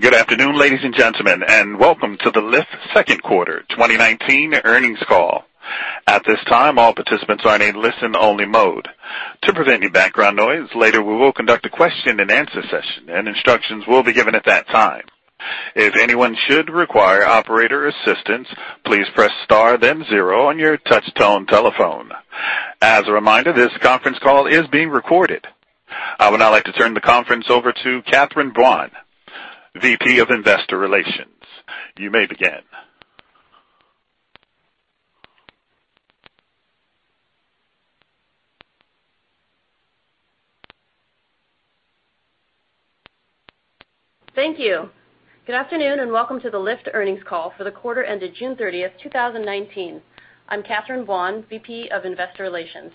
Good afternoon, ladies and gentlemen, and welcome to the Lyft second quarter 2019 earnings call. At this time, all participants are in listen-only mode. To prevent any background noise, later we will conduct a question-and-answer session, and instructions will be given at that time. If anyone should require operator assistance, please press star then zero on your touch-tone telephone. As a reminder, this conference call is being recorded. I would now like to turn the conference over to Catherine Buan, VP of Investor Relations. You may begin. Thank you. Good afternoon, and welcome to the Lyft earnings call for the quarter ended June 30th, 2019. I'm Catherine Buan, VP of Investor Relations.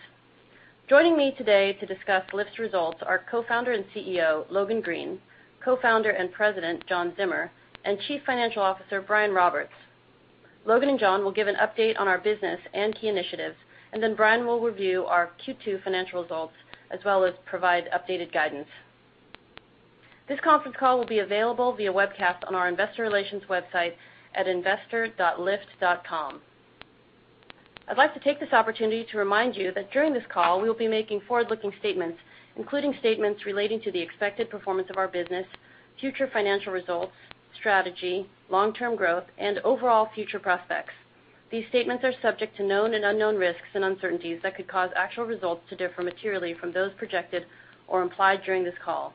Joining me today to discuss Lyft's results are co-founder and CEO, Logan Green, co-founder and President, John Zimmer, and Chief Financial Officer, Brian Roberts. Logan and John will give an update on our business and key initiatives, then Brian will review our Q2 financial results as well as provide updated guidance. This conference call will be available via webcast on our investor relations website at investor.lyft.com. I'd like to take this opportunity to remind you that during this call, we will be making forward-looking statements, including statements relating to the expected performance of our business, future financial results, strategy, long-term growth, and overall future prospects. These statements are subject to known and unknown risks and uncertainties that could cause actual results to differ materially from those projected or implied during this call,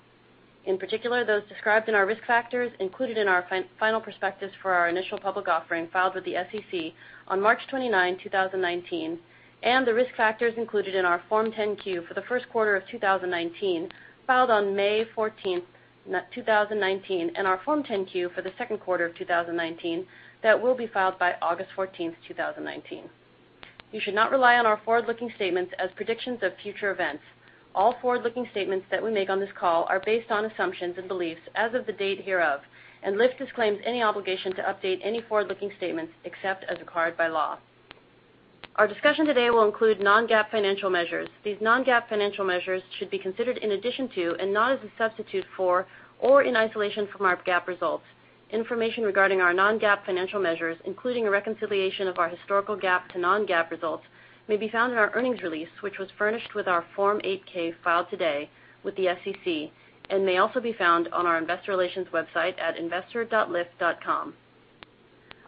in particular, those described in our risk factors included in our final prospectus for our initial public offering filed with the SEC on March 29, 2019, and the risk factors included in our Form 10-Q for the first quarter of 2019, filed on May 14, 2019, and our Form 10-Q for the second quarter of 2019, that will be filed by August 14, 2019. You should not rely on our forward-looking statements as predictions of future events. All forward-looking statements that we make on this call are based on assumptions and beliefs as of the date hereof, Lyft disclaims any obligation to update any forward-looking statements except as required by law. Our discussion today will include non-GAAP financial measures. These non-GAAP financial measures should be considered in addition to and not as a substitute for or in isolation from our GAAP results. Information regarding our non-GAAP financial measures, including a reconciliation of our historical GAAP to non-GAAP results, may be found in our earnings release, which was furnished with our Form 8-K filed today with the SEC and may also be found on our investor relations website at investor.lyft.com.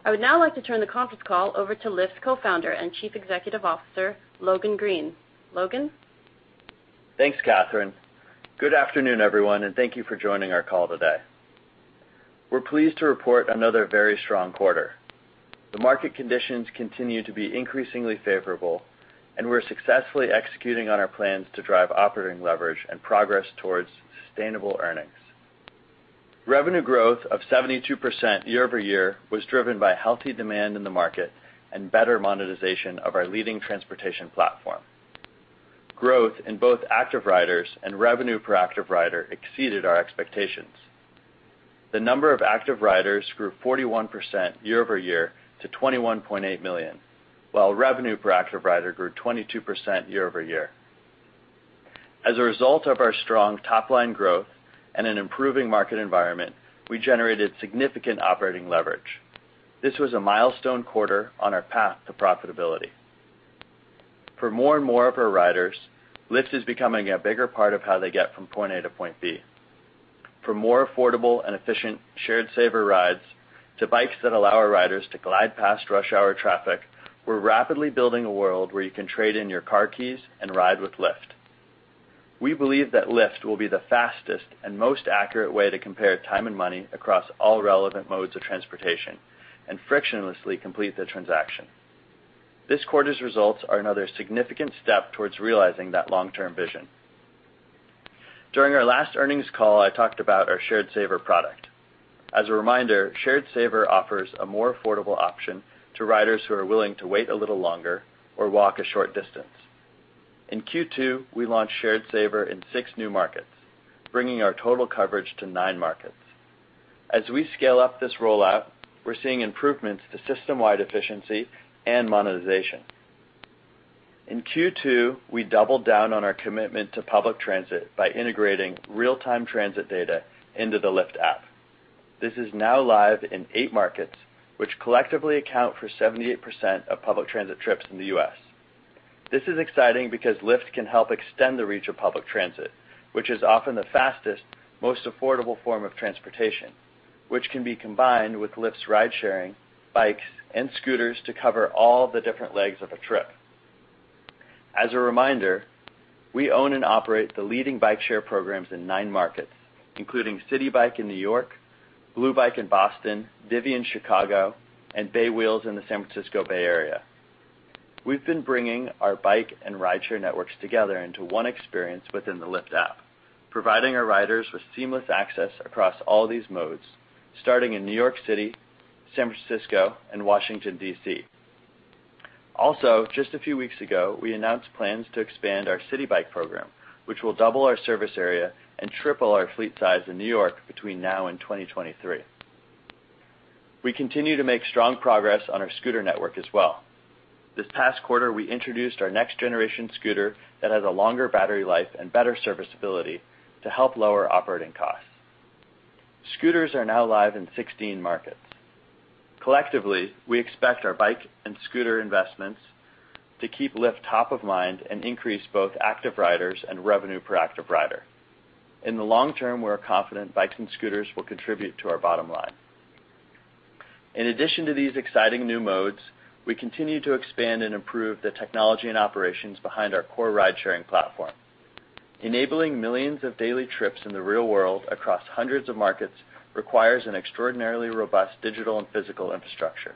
I would now like to turn the conference call over to Lyft Co-founder and Chief Executive Officer, Logan Green. Logan? Thanks, Catherine. Good afternoon, everyone, thank you for joining our call today. We're pleased to report another very strong quarter. The market conditions continue to be increasingly favorable, we're successfully executing on our plans to drive operating leverage and progress towards sustainable earnings. Revenue growth of 72% year-over-year was driven by healthy demand in the market and better monetization of our leading transportation platform. Growth in both active riders and revenue per active rider exceeded our expectations. The number of active riders grew 41% year-over-year to 21.8 million, while revenue per active rider grew 22% year-over-year. As a result of our strong top-line growth and an improving market environment, we generated significant operating leverage. This was a milestone quarter on our path to profitability. For more and more of our riders, Lyft is becoming a bigger part of how they get from point A to point B. For more affordable and efficient Shared Saver rides to bikes that allow our riders to glide past rush hour traffic, we're rapidly building a world where you can trade in your car keys and ride with Lyft. We believe that Lyft will be the fastest and most accurate way to compare time and money across all relevant modes of transportation and frictionlessly complete the transaction. This quarter's results are another significant step towards realizing that long-term vision. During our last earnings call, I talked about our Shared Saver product. As a reminder, Shared Saver offers a more affordable option to riders who are willing to wait a little longer or walk a short distance. In Q2, we launched Shared Saver in six new markets, bringing our total coverage to nine markets. As we scale up this rollout, we're seeing improvements to system-wide efficiency and monetization. In Q2, we doubled down on our commitment to public transit by integrating real-time transit data into the Lyft app. This is now live in eight markets, which collectively account for 78% of public transit trips in the U.S. This is exciting because Lyft can help extend the reach of public transit, which is often the fastest, most affordable form of transportation, which can be combined with Lyft's ride-sharing, bikes, and scooters to cover all the different legs of a trip. As a reminder, we own and operate the leading bike-share programs in nine markets, including Citi Bike in New York, Bluebikes in Boston, Divvy in Chicago, and Bay Wheels in the San Francisco Bay Area. We've been bringing our bike and rideshare networks together into one experience within the Lyft app, providing our riders with seamless access across all these modes, starting in New York City, San Francisco, and Washington, D.C. Just a few weeks ago, we announced plans to expand our Citi Bike program, which will double our service area and triple our fleet size in New York between now and 2023. We continue to make strong progress on our scooter network as well. This past quarter, we introduced our next-generation scooter that has a longer battery life and better serviceability to help lower operating costs. Scooters are now live in 16 markets. Collectively, we expect our bike and scooter investments to keep Lyft top of mind and increase both active riders and revenue per active rider. In the long term, we're confident bikes and scooters will contribute to our bottom line. In addition to these exciting new modes, we continue to expand and improve the technology and operations behind our core ride-sharing platform. Enabling millions of daily trips in the real world across hundreds of markets requires an extraordinarily robust digital and physical infrastructure.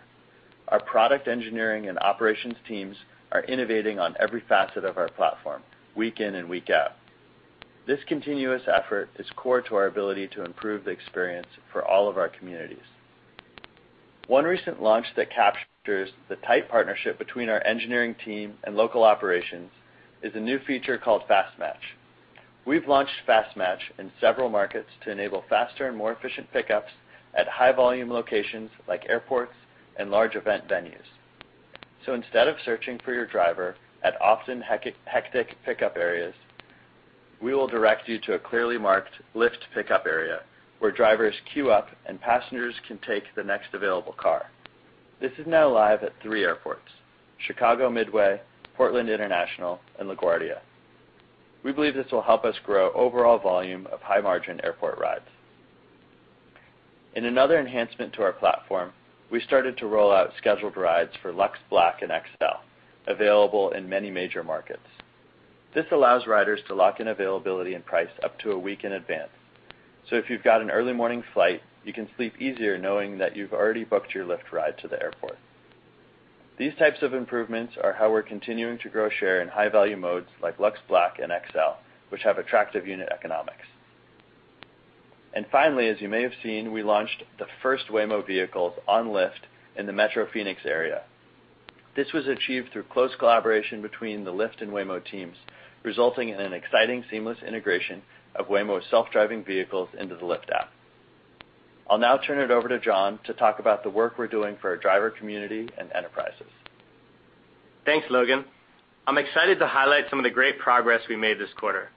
Our product engineering and operations teams are innovating on every facet of our platform, week in and week out. This continuous effort is core to our ability to improve the experience for all of our communities. One recent launch that captures the tight partnership between our engineering team and local operations is a new feature called Fast Match. We've launched Fast Match in several markets to enable faster and more efficient pickups at high-volume locations like airports and large event venues. Instead of searching for your driver at often hectic pickup areas, we will direct you to a clearly marked Lyft pickup area, where drivers queue up and passengers can take the next available car. This is now live at three airports, Chicago Midway, Portland International, and LaGuardia. We believe this will help us grow overall volume of high-margin airport rides. In another enhancement to our platform, we started to roll out scheduled rides for Lux Black and XL, available in many major markets. This allows riders to lock in availability and price up to a week in advance. If you've got an early morning flight, you can sleep easier knowing that you've already booked your Lyft ride to the airport. These types of improvements are how we're continuing to grow share in high-value modes like Lux Black and XL, which have attractive unit economics. Finally, as you may have seen, we launched the first Waymo vehicles on Lyft in the metro Phoenix area. This was achieved through close collaboration between the Lyft and Waymo teams, resulting in an exciting seamless integration of Waymo's self-driving vehicles into the Lyft app. I'll now turn it over to John to talk about the work we're doing for our driver community and enterprises. Thanks, Logan. I'm excited to highlight some of the great progress we made this quarter.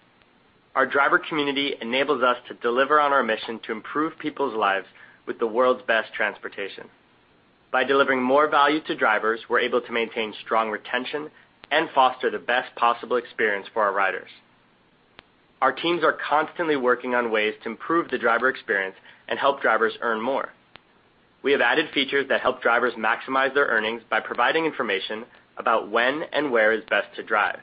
Our driver community enables us to deliver on our mission to improve people's lives with the world's best transportation. By delivering more value to drivers, we're able to maintain strong retention and foster the best possible experience for our riders. Our teams are constantly working on ways to improve the driver experience and help drivers earn more. We have added features that help drivers maximize their earnings by providing information about when and where is best to drive.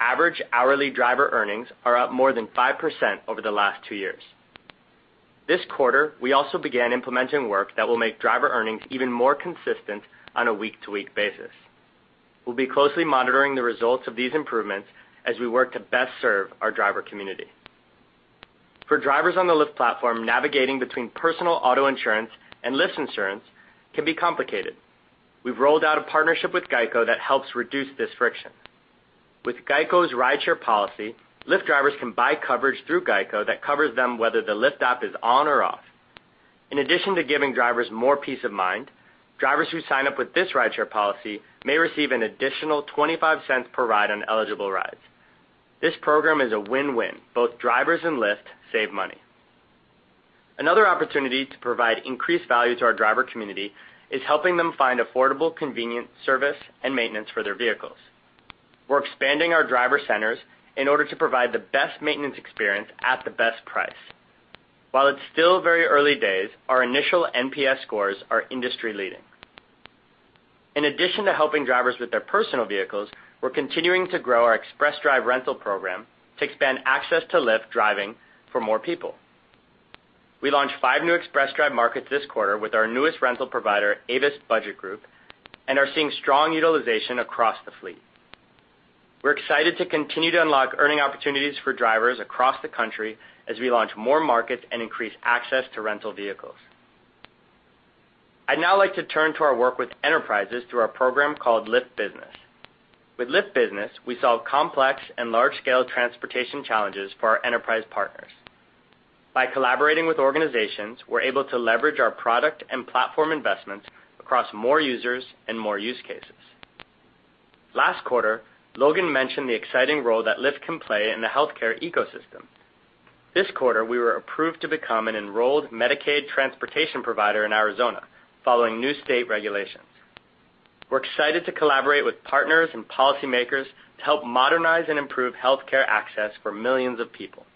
Average hourly driver earnings are up more than 5% over the last two years. This quarter, we also began implementing work that will make driver earnings even more consistent on a week-to-week basis. We'll be closely monitoring the results of these improvements as we work to best serve our driver community. For drivers on the Lyft platform, navigating between personal auto insurance and Lyft's insurance can be complicated. We've rolled out a partnership with Geico that helps reduce this friction. With Geico's rideshare policy, Lyft drivers can buy coverage through Geico that covers them whether the Lyft app is on or off. In addition to giving drivers more peace of mind, drivers who sign up with this rideshare policy may receive an additional $0.25 per ride on eligible rides. This program is a win-win. Both drivers and Lyft save money. Another opportunity to provide increased value to our driver community is helping them find affordable, convenient service and maintenance for their vehicles. We're expanding our driver centers in order to provide the best maintenance experience at the best price. While it's still very early days, our initial NPS scores are industry-leading. In addition to helping drivers with their personal vehicles, we're continuing to grow our Express Drive rental program to expand access to Lyft driving for more people. We launched five new Express Drive markets this quarter with our newest rental provider, Avis Budget Group, and are seeing strong utilization across the fleet. We're excited to continue to unlock earning opportunities for drivers across the country as we launch more markets and increase access to rental vehicles. I'd now like to turn to our work with enterprises through our program called Lyft Business. With Lyft Business, we solve complex and large-scale transportation challenges for our enterprise partners. By collaborating with organizations, we're able to leverage our product and platform investments across more users and more use cases. Last quarter, Logan mentioned the exciting role that Lyft can play in the healthcare ecosystem. This quarter, we were approved to become an enrolled Medicaid transportation provider in Arizona following new state regulations. We're excited to collaborate with partners and policymakers to help modernize and improve healthcare access for millions of people.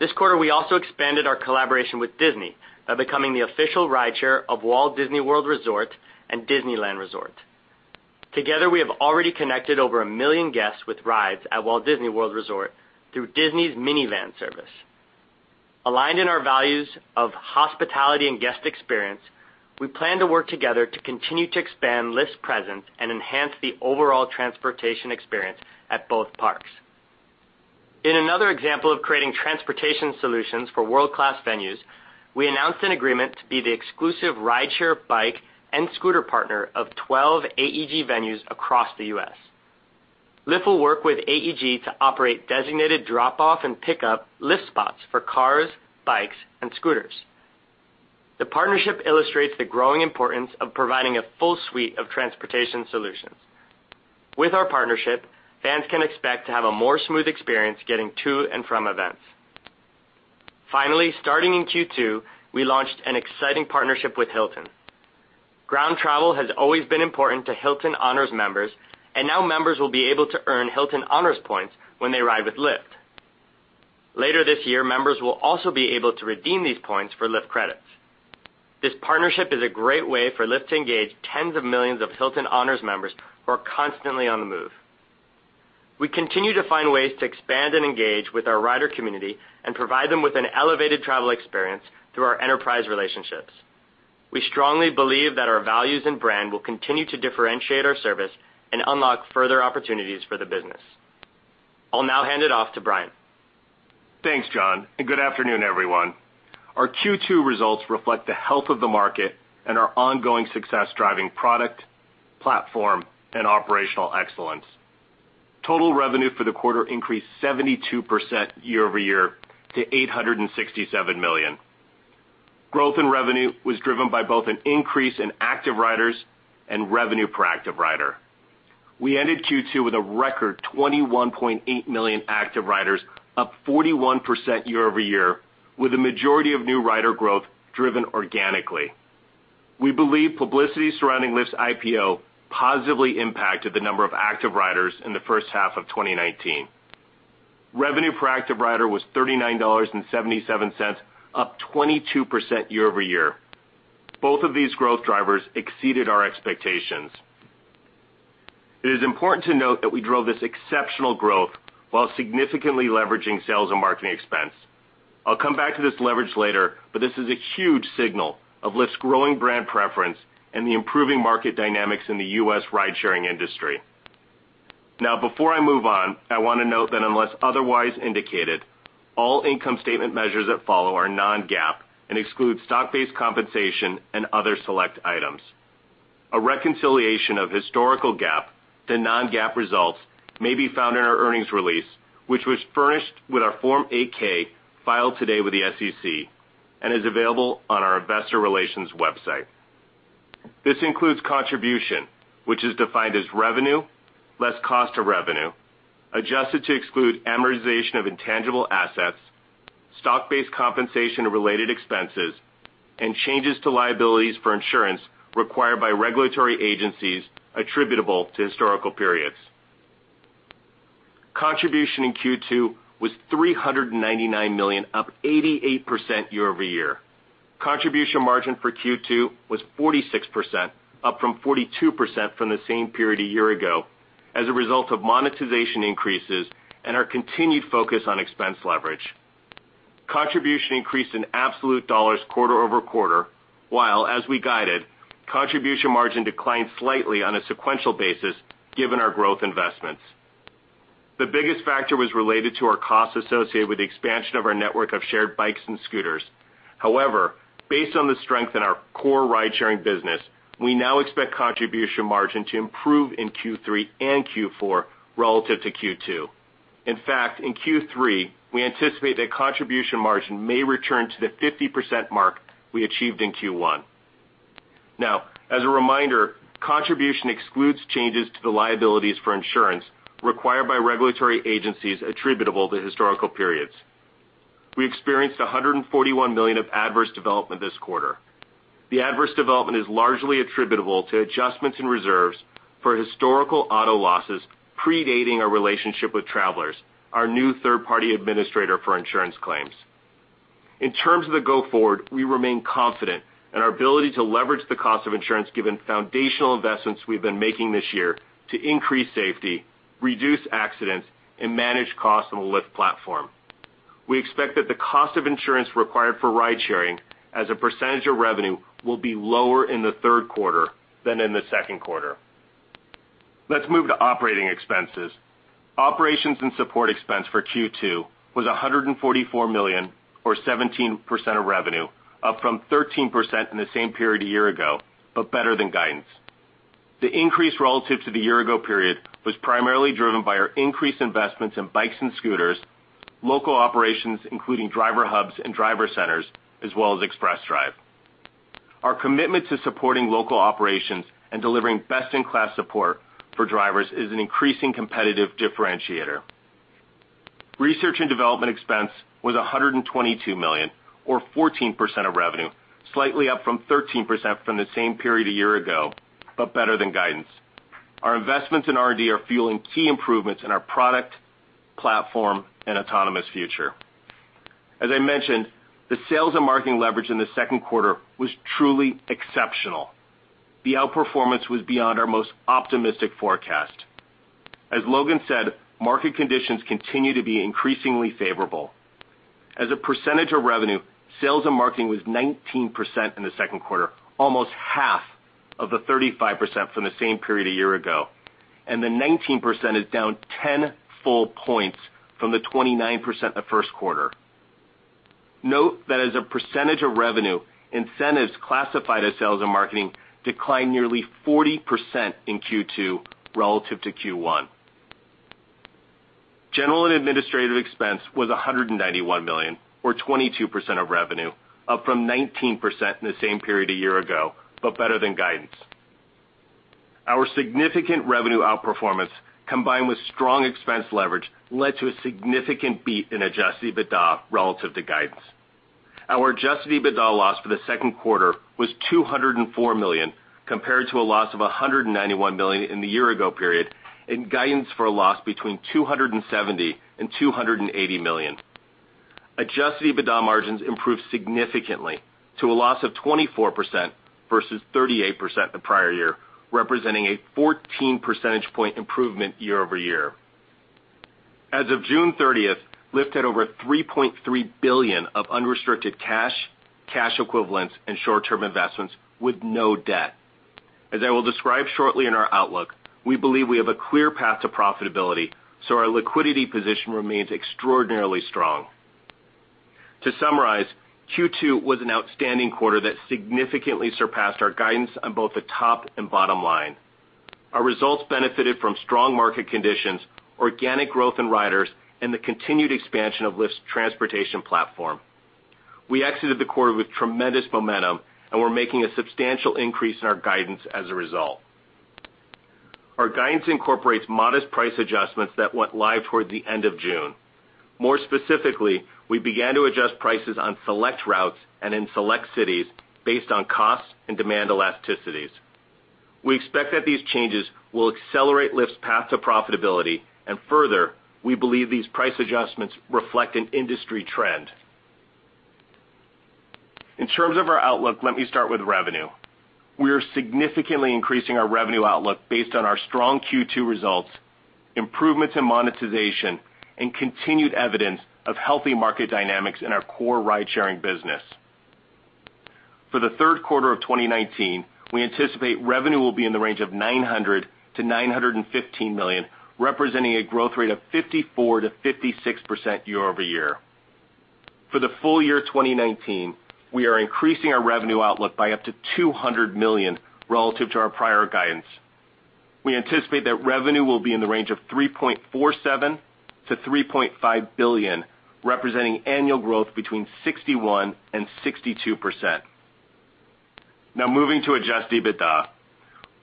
This quarter, we also expanded our collaboration with Disney by becoming the official rideshare of Walt Disney World Resort and Disneyland Resort. Together, we have already connected over a million guests with rides at Walt Disney World Resort through Disney's Minnie Van service. Aligned in our values of hospitality and guest experience, we plan to work together to continue to expand Lyft's presence and enhance the overall transportation experience at both parks. In another example of creating transportation solutions for world-class venues, we announced an agreement to be the exclusive rideshare, bike, and scooter partner of 12 AEG venues across the U.S. Lyft will work with AEG to operate designated drop-off and pickup Lyft spots for cars, bikes, and scooters. The partnership illustrates the growing importance of providing a full suite of transportation solutions. With our partnership, fans can expect to have a more smooth experience getting to and from events. Finally, starting in Q2, we launched an exciting partnership with Hilton. Now members will be able to earn Hilton Honors points when they ride with Lyft. Later this year, members will also be able to redeem these points for Lyft credits. This partnership is a great way for Lyft to engage tens of millions of Hilton Honors members who are constantly on the move. We continue to find ways to expand and engage with our rider community and provide them with an elevated travel experience through our enterprise relationships. We strongly believe that our values and brand will continue to differentiate our service and unlock further opportunities for the business. I'll now hand it off to Brian. Thanks, John. Good afternoon, everyone. Our Q2 results reflect the health of the market and our ongoing success driving product, platform, and operational excellence. Total revenue for the quarter increased 72% year-over-year to $867 million. Growth in revenue was driven by both an increase in active riders and revenue per active rider. We ended Q2 with a record 21.8 million active riders, up 41% year-over-year, with the majority of new rider growth driven organically. We believe publicity surrounding Lyft's IPO positively impacted the number of active riders in the first half of 2019. Revenue per active rider was $39.77, up 22% year-over-year. Both of these growth drivers exceeded our expectations. It is important to note that we drove this exceptional growth while significantly leveraging sales and marketing expense. I'll come back to this leverage later, but this is a huge signal of Lyft's growing brand preference and the improving market dynamics in the U.S. ride-sharing industry. Now, before I move on, I want to note that unless otherwise indicated, all income statement measures that follow are non-GAAP and exclude stock-based compensation and other select items. A reconciliation of historical GAAP to non-GAAP results may be found in our earnings release, which was furnished with our Form 8-K filed today with the SEC and is available on our investor relations website. This includes contribution, which is defined as revenue, less cost of revenue, adjusted to exclude amortization of intangible assets, stock-based compensation or related expenses, and changes to liabilities for insurance required by regulatory agencies attributable to historical periods. Contribution in Q2 was $399 million, up 88% year-over-year. Contribution margin for Q2 was 46%, up from 42% from the same period a year ago, as a result of monetization increases and our continued focus on expense leverage. Contribution increased in absolute dollars quarter-over-quarter, while, as we guided, contribution margin declined slightly on a sequential basis given our growth investments. The biggest factor was related to our costs associated with the expansion of our network of shared bikes and scooters. However, based on the strength in our core ride-sharing business, we now expect contribution margin to improve in Q3 and Q4 relative to Q2. In fact, in Q3, we anticipate that contribution margin may return to the 50% mark we achieved in Q1. Now, as a reminder, contribution excludes changes to the liabilities for insurance required by regulatory agencies attributable to historical periods. We experienced $141 million of adverse development this quarter. The adverse development is largely attributable to adjustments in reserves for historical auto losses predating our relationship with Travelers, our new third-party administrator for insurance claims. In terms of the go-forward, we remain confident in our ability to leverage the cost of insurance given foundational investments we've been making this year to increase safety, reduce accidents, and manage costs on the Lyft platform. We expect that the cost of insurance required for ride-sharing as a percentage of revenue will be lower in the third quarter than in the second quarter. Let's move to operating expenses. Operations and support expense for Q2 was $144 million or 17% of revenue, up from 13% in the same period a year ago, but better than guidance. The increase relative to the year-ago period was primarily driven by our increased investments in bikes and scooters, local operations, including driver hubs and driver centers, as well as Express Drive. Our commitment to supporting local operations and delivering best-in-class support for drivers is an increasing competitive differentiator. Research and development expense was $122 million, or 14% of revenue, slightly up from 13% from the same period a year ago, but better than guidance. Our investments in R&D are fueling key improvements in our product, platform, and autonomous future. As I mentioned, the sales and marketing leverage in the second quarter was truly exceptional. The outperformance was beyond our most optimistic forecast. As Logan said, market conditions continue to be increasingly favorable. As a percentage of revenue, sales and marketing was 19% in the second quarter, almost half of the 35% from the same period a year ago. The 19% is down 10 full points from the 29% the first quarter. Note that as a percentage of revenue, incentives classified as sales and marketing declined nearly 40% in Q2 relative to Q1. General and administrative expense was $191 million, or 22% of revenue, up from 19% in the same period a year ago, better than guidance. Our significant revenue outperformance, combined with strong expense leverage, led to a significant beat in adjusted EBITDA relative to guidance. Our adjusted EBITDA loss for the second quarter was $204 million, compared to a loss of $191 million in the year-ago period and guidance for a loss between $270 million and $280 million. Adjusted EBITDA margins improved significantly to a loss of 24% versus 38% the prior year, representing a 14 percentage point improvement year-over-year. As of June 30th, Lyft had over $3.3 billion of unrestricted cash equivalents, and short-term investments with no debt. As I will describe shortly in our outlook, we believe we have a clear path to profitability, so our liquidity position remains extraordinarily strong. To summarize, Q2 was an outstanding quarter that significantly surpassed our guidance on both the top and bottom line. Our results benefited from strong market conditions, organic growth in riders, and the continued expansion of Lyft's transportation platform. We exited the quarter with tremendous momentum, and we're making a substantial increase in our guidance as a result. Our guidance incorporates modest price adjustments that went live toward the end of June. More specifically, we began to adjust prices on select routes and in select cities based on costs and demand elasticities. We expect that these changes will accelerate Lyft's path to profitability. Further, we believe these price adjustments reflect an industry trend. In terms of our outlook, let me start with revenue. We are significantly increasing our revenue outlook based on our strong Q2 results, improvements in monetization, and continued evidence of healthy market dynamics in our core ride-sharing business. For the third quarter of 2019, we anticipate revenue will be in the range of $900 million-$915 million, representing a growth rate of 54%-56% year-over-year. For the full year 2019, we are increasing our revenue outlook by up to $200 million relative to our prior guidance. We anticipate that revenue will be in the range of $3.47 billion-$3.5 billion, representing annual growth between 61% and 62%. Now moving to adjusted EBITDA.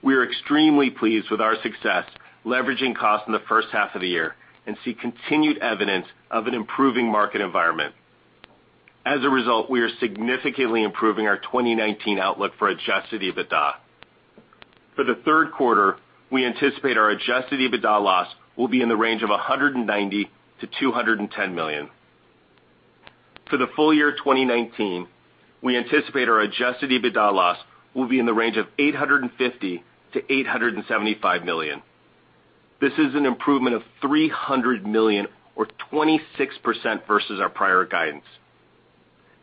We are extremely pleased with our success leveraging costs in the first half of the year and see continued evidence of an improving market environment. As a result, we are significantly improving our 2019 outlook for adjusted EBITDA. For the third quarter, we anticipate our adjusted EBITDA loss will be in the range of $190 million-$210 million. For the full year 2019, we anticipate our adjusted EBITDA loss will be in the range of $850 million-$875 million. This is an improvement of $300 million or 26% versus our prior guidance.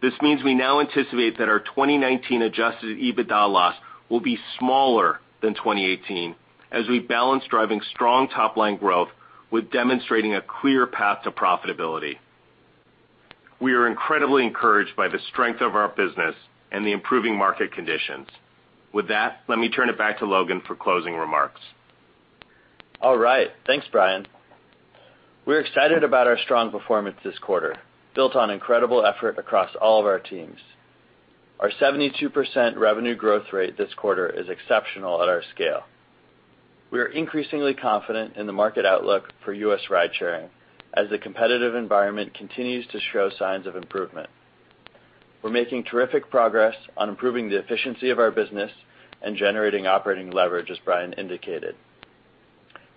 This means we now anticipate that our 2019 adjusted EBITDA loss will be smaller than 2018 as we balance driving strong top-line growth with demonstrating a clear path to profitability. We are incredibly encouraged by the strength of our business and the improving market conditions. With that, let me turn it back to Logan for closing remarks. All right. Thanks, Brian. We're excited about our strong performance this quarter, built on incredible effort across all of our teams. Our 72% revenue growth rate this quarter is exceptional at our scale. We are increasingly confident in the market outlook for U.S. ride sharing as the competitive environment continues to show signs of improvement. We're making terrific progress on improving the efficiency of our business and generating operating leverage, as Brian indicated.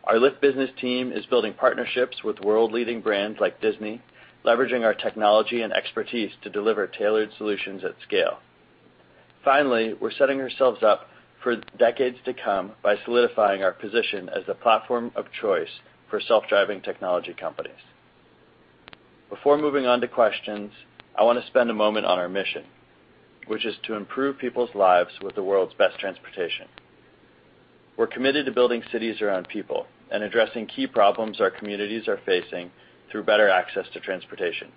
Our Lyft Business team is building partnerships with world-leading brands like Disney, leveraging our technology and expertise to deliver tailored solutions at scale. Finally, we're setting ourselves up for decades to come by solidifying our position as the platform of choice for self-driving technology companies. Before moving on to questions, I want to spend a moment on our mission, which is to improve people's lives with the world's best transportation. We're committed to building cities around people and addressing key problems our communities are facing through better access to transportation.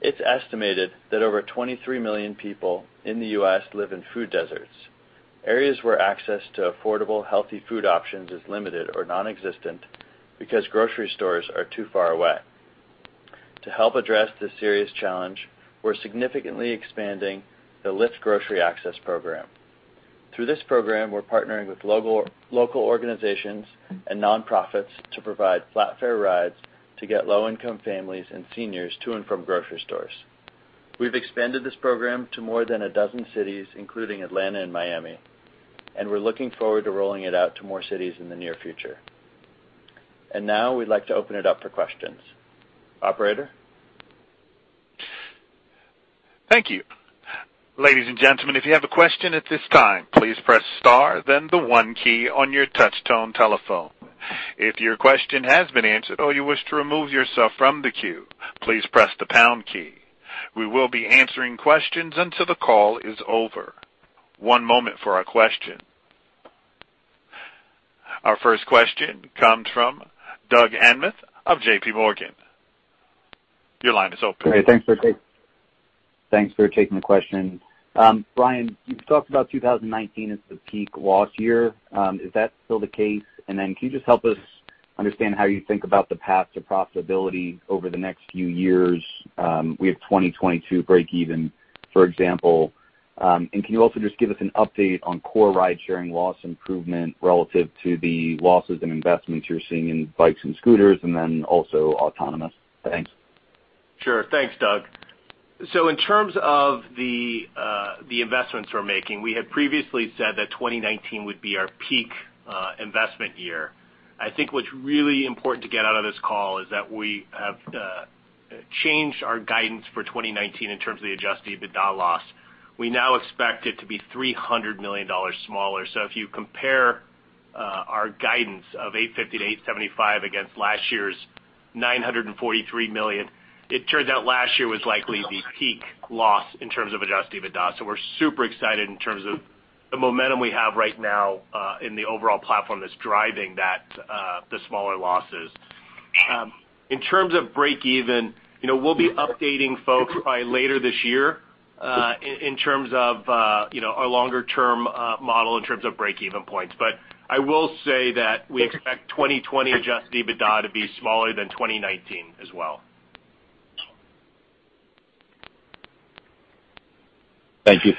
It's estimated that over 23 million people in the U.S. live in food deserts, areas where access to affordable, healthy food options is limited or nonexistent because grocery stores are too far away. To help address this serious challenge, we're significantly expanding the Lyft Grocery Access Program. Through this program, we're partnering with local organizations and nonprofits to provide flat-fare rides to get low-income families and seniors to and from grocery stores. We've expanded this program to more than a dozen cities, including Atlanta and Miami, and we're looking forward to rolling it out to more cities in the near future. Now we'd like to open it up for questions. Operator? Thank you. Ladies and gentlemen, if you have a question at this time, please press star, then the one key on your touch-tone telephone. If your question has been answered or you wish to remove yourself from the queue, please press the pound key. We will be answering questions until the call is over. One moment for our questions. Our first question comes from Doug Anmuth of JPMorgan. Your line is open. Hey, thanks for taking the question. Brian, you've talked about 2019 as the peak loss year. Is that still the case? Can you just help us understand how you think about the path to profitability over the next few years? We have 2022 breakeven, for example. Can you also just give us an update on core ride-sharing loss improvement relative to the losses and investments you're seeing in bikes and scooters, and then also autonomous? Thanks. Sure. Thanks, Doug. In terms of the investments we're making, we had previously said that 2019 would be our peak investment year. I think what's really important to get out of this call is that we have changed our guidance for 2019 in terms of the adjusted EBITDA loss. We now expect it to be $300 million smaller. If you compare our guidance of $850 million to $875 million against last year's $943 million, it turns out last year was likely the peak loss in terms of adjusted EBITDA. We're super excited in terms of the momentum we have right now in the overall platform that's driving the smaller losses. In terms of breakeven, we'll be updating folks by later this year, in terms of our longer-term model in terms of breakeven points. I will say that we expect 2020 adjusted EBITDA to be smaller than 2019 as well. Thank you.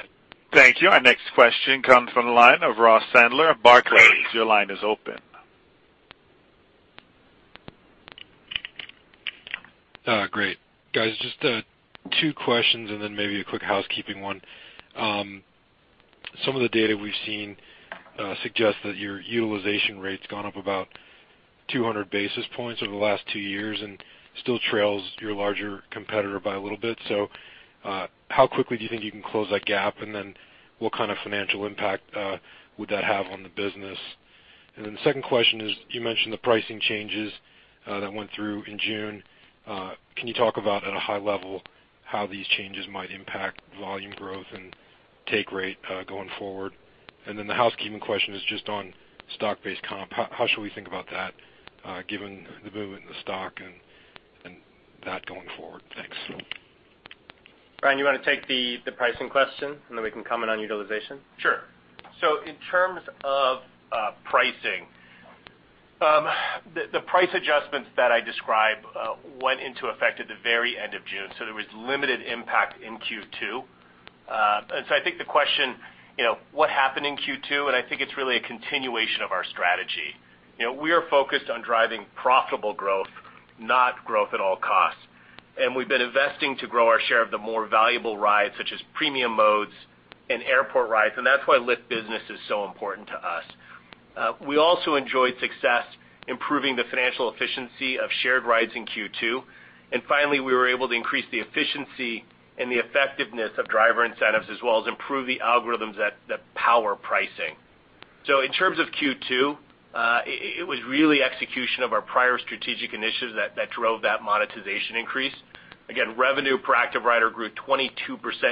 Thank you. Our next question comes from the line of Ross Sandler of Barclays. Your line is open. Great. Guys, just two questions and then maybe a quick housekeeping one. Some of the data we've seen suggests that your utilization rate's gone up about 200 basis points over the last two years and still trails your larger competitor by a little bit. How quickly do you think you can close that gap? What kind of financial impact would that have on the business? The second question is, you mentioned the pricing changes that went through in June. Can you talk about, at a high level, how these changes might impact volume growth and take rate going forward? The housekeeping question is just on stock-based comp. How should we think about that given the movement in the stock and that going forward? Thanks. Brian, you want to take the pricing question, and then we can comment on utilization? Sure. In terms of pricing, the price adjustments that I described went into effect at the very end of June. There was limited impact in Q2. I think the question, what happened in Q2, and I think it's really a continuation of our strategy. We are focused on driving profitable growth, not growth at all costs. We've been investing to grow our share of the more valuable rides, such as premium modes and airport rides, and that's why Lyft Business is so important to us. We also enjoyed success improving the financial efficiency of shared rides in Q2. Finally, we were able to increase the efficiency and the effectiveness of driver incentives, as well as improve the algorithms that power pricing. In terms of Q2, it was really execution of our prior strategic initiatives that drove that monetization increase. Revenue per active rider grew 22%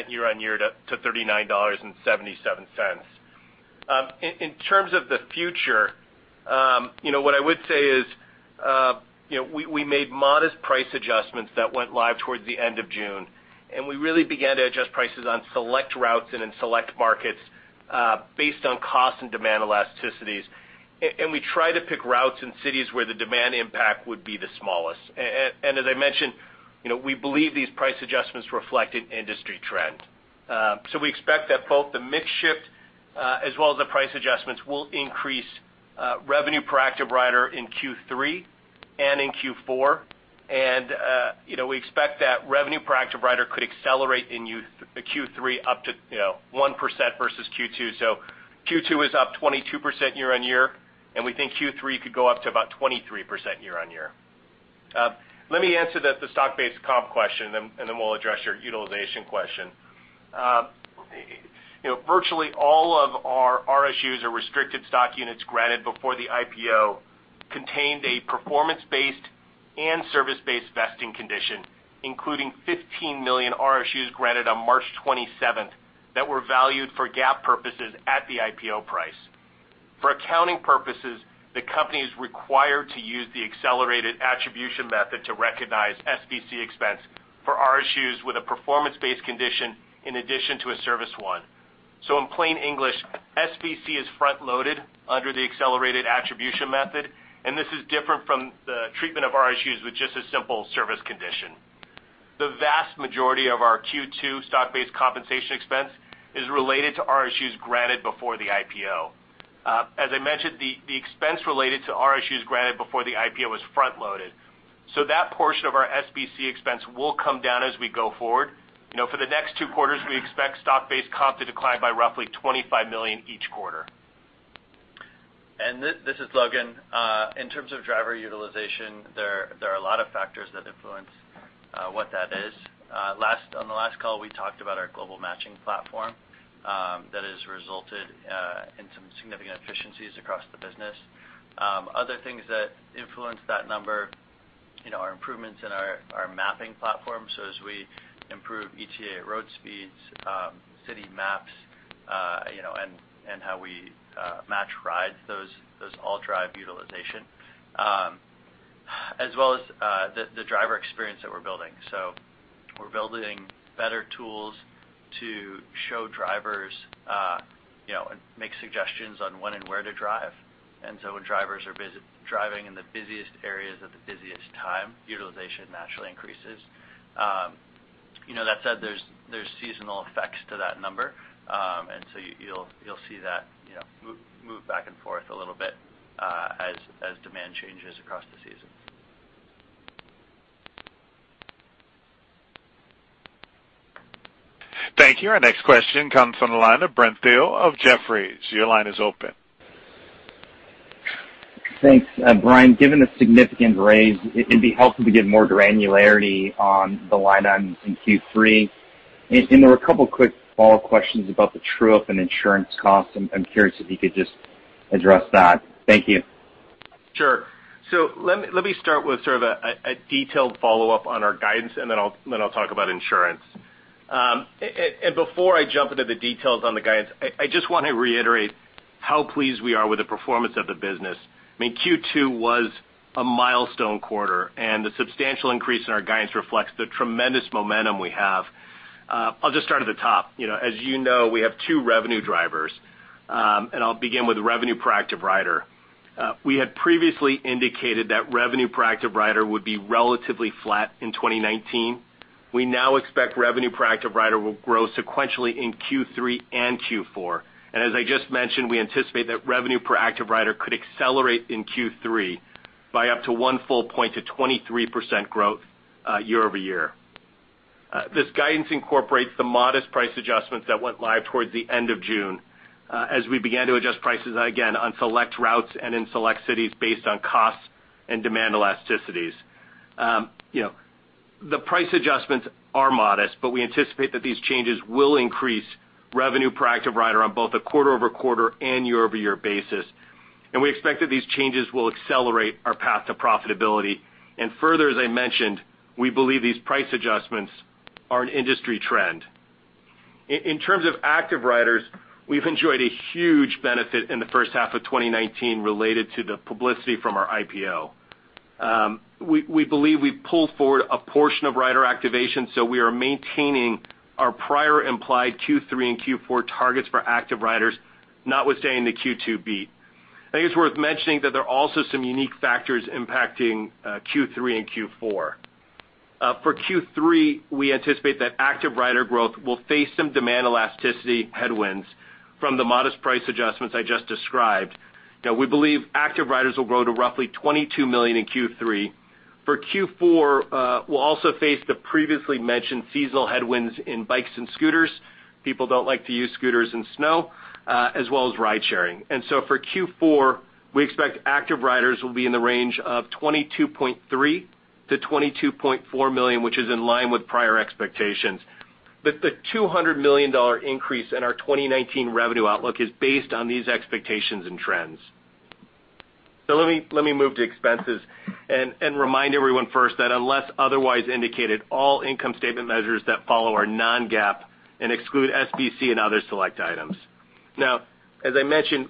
year-over-year to $39.77. In terms of the future, what I would say is, we made modest price adjustments that went live towards the end of June. We really began to adjust prices on select routes and in select markets, based on cost and demand elasticities. We try to pick routes in cities where the demand impact would be the smallest. As I mentioned, we believe these price adjustments reflect an industry trend. We expect that both the mix shift as well as the price adjustments will increase revenue per active rider in Q3 and in Q4. We expect that revenue per active rider could accelerate in Q3 up to 1% versus Q2. Q2 is up 22% year-over-year, and we think Q3 could go up to about 23% year-over-year. Let me answer the stock-based comp question, and then we'll address your utilization question. Virtually all of our RSUs, or restricted stock units, granted before the IPO contained a performance-based and service-based vesting condition, including 15 million RSUs granted on March 27th that were valued for GAAP purposes at the IPO price. For accounting purposes, the company is required to use the accelerated attribution method to recognize SBC expense for RSUs with a performance-based condition in addition to a service one. In plain English, SBC is front-loaded under the accelerated attribution method, and this is different from the treatment of RSUs with just a simple service condition. The vast majority of our Q2 stock-based compensation expense is related to RSUs granted before the IPO. As I mentioned, the expense related to RSUs granted before the IPO was front-loaded. That portion of our SBC expense will come down as we go forward. For the next two quarters, we expect stock-based comp to decline by roughly $25 million each quarter. This is Logan. In terms of driver utilization, there are a lot of factors that influence what that is. On the last call, we talked about our global matching platform that has resulted in some significant efficiencies across the business. Other things that influence that number. Our improvements in our mapping platform. As we improve ETA road speeds, city maps, and how we match rides, those all drive utilization, as well as the driver experience that we're building. We're building better tools to show drivers, and make suggestions on when and where to drive. When drivers are driving in the busiest areas at the busiest time, utilization naturally increases. That said, there's seasonal effects to that number. You'll see that move back and forth a little bit as demand changes across the seasons. Thank you. Our next question comes from the line of Brent Thill of Jefferies. Your line is open. Thanks. Brian, given the significant raise, it'd be helpful to get more granularity on the line in Q3. There were a couple of quick follow-up questions about the true-up and insurance costs. I'm curious if you could just address that. Thank you. Sure. Let me start with sort of a detailed follow-up on our guidance, and then I'll talk about insurance. Before I jump into the details on the guidance, I just want to reiterate how pleased we are with the performance of the business. I mean, Q2 was a milestone quarter, and the substantial increase in our guidance reflects the tremendous momentum we have. I'll just start at the top. As you know, we have two revenue drivers. I'll begin with revenue per active rider. We had previously indicated that revenue per active rider would be relatively flat in 2019. We now expect revenue per active rider will grow sequentially in Q3 and Q4. As I just mentioned, we anticipate that revenue per active rider could accelerate in Q3 by up to one full point to 23% growth year-over-year. This guidance incorporates the modest price adjustments that went live towards the end of June, as we began to adjust prices again on select routes and in select cities based on cost and demand elasticities. The price adjustments are modest, but we anticipate that these changes will increase revenue per active rider on both a quarter-over-quarter and year-over-year basis, and we expect that these changes will accelerate our path to profitability. Further, as I mentioned, we believe these price adjustments are an industry trend. In terms of active riders, we've enjoyed a huge benefit in the first half of 2019 related to the publicity from our IPO. We believe we've pulled forward a portion of rider activation, so we are maintaining our prior implied Q3 and Q4 targets for active riders, notwithstanding the Q2 beat. I think it's worth mentioning that there are also some unique factors impacting Q3 and Q4. For Q3, we anticipate that active rider growth will face some demand elasticity headwinds from the modest price adjustments I just described. We believe active riders will grow to roughly 22 million in Q3. For Q4, we'll also face the previously mentioned seasonal headwinds in bikes and scooters. People don't like to use scooters in snow, as well as ride-sharing. For Q4, we expect active riders will be in the range of 22.3 million-22.4 million, which is in line with prior expectations. The $200 million increase in our 2019 revenue outlook is based on these expectations and trends. Let me move to expenses and remind everyone first that unless otherwise indicated, all income statement measures that follow are non-GAAP and exclude SBC and other select items. As I mentioned,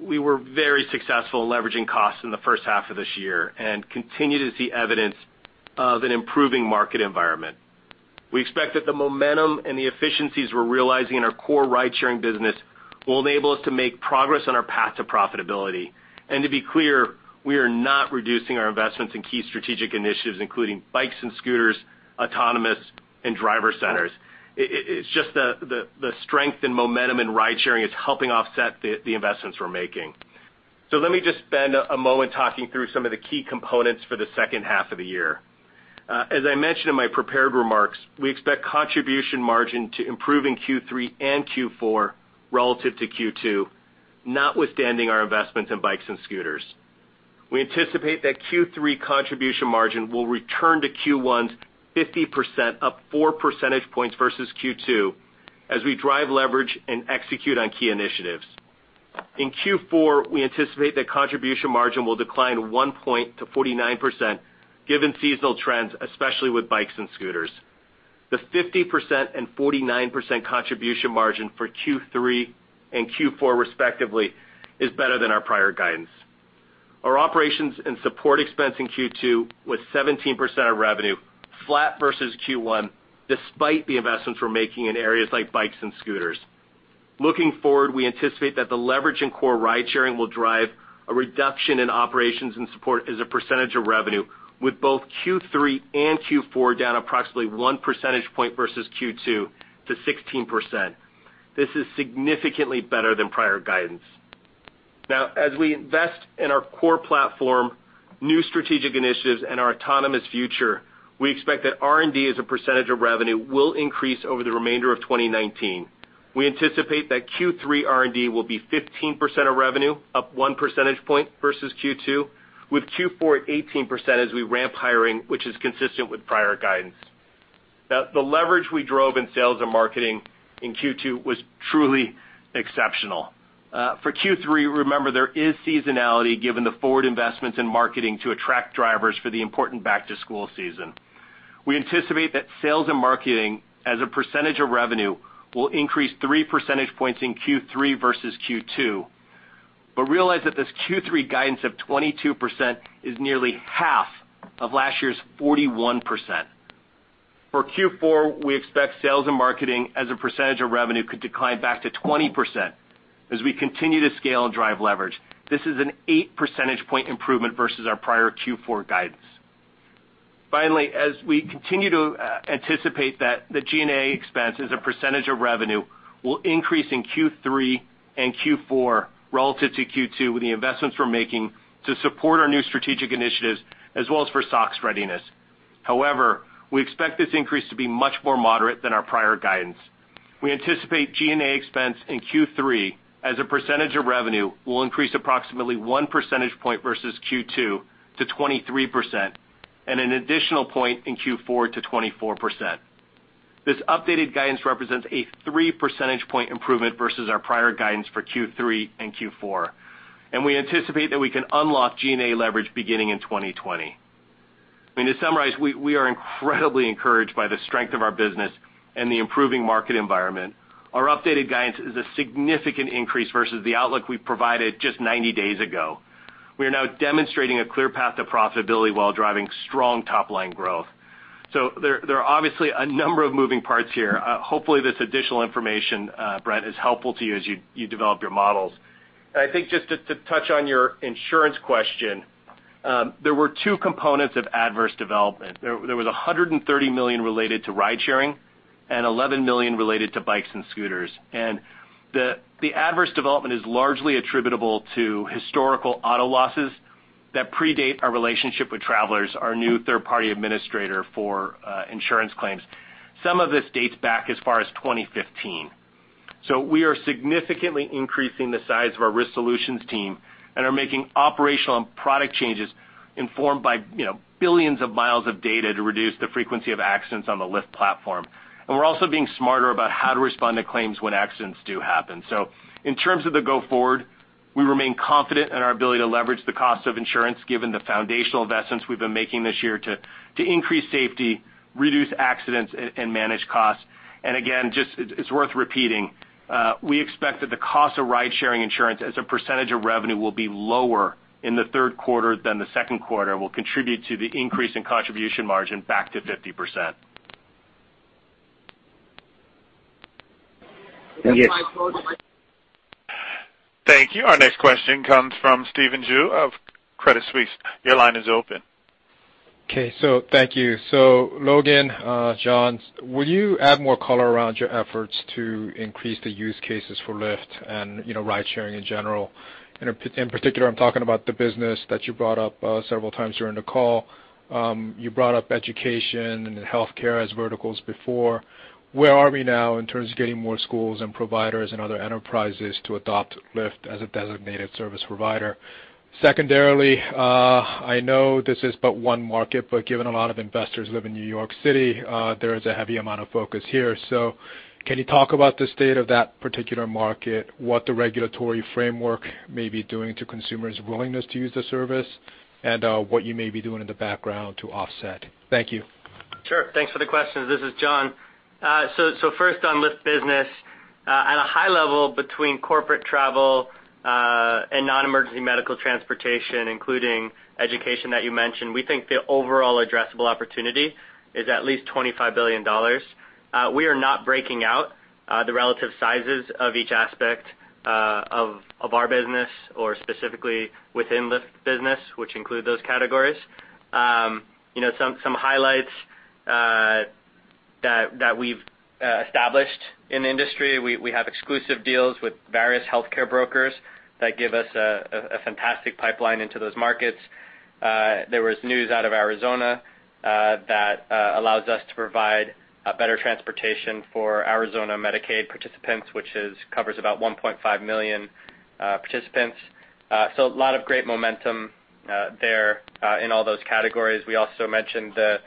we were very successful in leveraging costs in the first half of this year and continue to see evidence of an improving market environment. We expect that the momentum and the efficiencies we're realizing in our core ride-sharing business will enable us to make progress on our path to profitability. To be clear, we are not reducing our investments in key strategic initiatives, including bikes and scooters, autonomous, and driver centers. It's just the strength and momentum in ride-sharing is helping offset the investments we're making. Let me just spend a moment talking through some of the key components for the second half of the year. As I mentioned in my prepared remarks, we expect contribution margin to improve in Q3 and Q4 relative to Q2, notwithstanding our investments in bikes and scooters. We anticipate that Q3 contribution margin will return to Q1's 50%, up 4 percentage points versus Q2, as we drive leverage and execute on key initiatives. In Q4, we anticipate that contribution margin will decline 1 point to 49% given seasonal trends, especially with bikes and scooters. The 50% and 49% contribution margin for Q3 and Q4 respectively is better than our prior guidance. Our operations and support expense in Q2 was 17% of revenue, flat versus Q1, despite the investments we're making in areas like bikes and scooters. Looking forward, we anticipate that the leverage in core ride-sharing will drive a reduction in operations and support as a percentage of revenue, with both Q3 and Q4 down approximately 1 percentage point versus Q2 to 16%. This is significantly better than prior guidance. Now, as we invest in our core platform, new strategic initiatives, and our autonomous future, we expect that R&D as a percentage of revenue will increase over the remainder of 2019. We anticipate that Q3 R&D will be 15% of revenue, up one percentage point versus Q2, with Q4 at 18% as we ramp hiring, which is consistent with prior guidance. The leverage we drove in sales and marketing in Q2 was truly exceptional. For Q3, remember, there is seasonality given the forward investments in marketing to attract drivers for the important back-to-school season. We anticipate that sales and marketing, as a percentage of revenue, will increase three percentage points in Q3 versus Q2. Realize that this Q3 guidance of 22% is nearly half of last year's 41%. For Q4, we expect sales and marketing as a percentage of revenue could decline back to 20% as we continue to scale and drive leverage. This is an eight percentage point improvement versus our prior Q4 guidance. Finally, as we continue to anticipate that the G&A expense as a percentage of revenue will increase in Q3 and Q4 relative to Q2 with the investments we're making to support our new strategic initiatives as well as for SOX readiness. However, we expect this increase to be much more moderate than our prior guidance. We anticipate G&A expense in Q3 as a percentage of revenue will increase approximately one percentage point versus Q2 to 23%, and an additional point in Q4 to 24%. This updated guidance represents a three percentage point improvement versus our prior guidance for Q3 and Q4, and we anticipate that we can unlock G&A leverage beginning in 2020. I mean, to summarize, we are incredibly encouraged by the strength of our business and the improving market environment. Our updated guidance is a significant increase versus the outlook we provided just 90 days ago. We are now demonstrating a clear path to profitability while driving strong top-line growth. There are obviously a number of moving parts here. Hopefully, this additional information, Brent, is helpful to you as you develop your models. I think just to touch on your insurance question, there were two components of adverse development. There was $130 million related to ride-sharing and $11 million related to bikes and scooters. The adverse development is largely attributable to historical auto losses that predate our relationship with Travelers, our new third-party administrator for insurance claims. Some of this dates back as far as 2015. We are significantly increasing the size of our risk solutions team and are making operational and product changes informed by billions of miles of data to reduce the frequency of accidents on the Lyft platform. We're also being smarter about how to respond to claims when accidents do happen. In terms of the go forward, we remain confident in our ability to leverage the cost of insurance given the foundational investments we've been making this year to increase safety, reduce accidents, and manage costs. Again, it's worth repeating, we expect that the cost of ride-sharing insurance as a percentage of revenue will be lower in the third quarter than the second quarter, will contribute to the increase in contribution margin back to 50%. Yes. Thank you. Our next question comes from Stephen Ju of Credit Suisse. Your line is open. Thank you. Logan, John, will you add more color around your efforts to increase the use cases for Lyft and ride-sharing in general? In particular, I'm talking about the business that you brought up several times during the call. You brought up education and healthcare as verticals before. Where are we now in terms of getting more schools and providers and other enterprises to adopt Lyft as a designated service provider? Secondarily, I know this is but one market, but given a lot of investors live in New York City, there is a heavy amount of focus here. Can you talk about the state of that particular market, what the regulatory framework may be doing to consumers' willingness to use the service, and what you may be doing in the background to offset? Thank you. Sure. Thanks for the questions. This is John. First on Lyft Business. At a high level between corporate travel, and non-emergency medical transportation, including education that you mentioned, we think the overall addressable opportunity is at least $25 billion. We are not breaking out the relative sizes of each aspect of our business or specifically within Lyft Business, which include those categories. Some highlights that we've established in the industry, we have exclusive deals with various healthcare brokers that give us a fantastic pipeline into those markets. There was news out of Arizona that allows us to provide better transportation for Arizona Medicaid participants, which covers about 1.5 million participants. A lot of great momentum there in all those categories. We also mentioned the